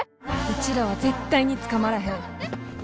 うちらは絶対に捕まらへん。